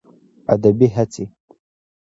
ادبي هڅې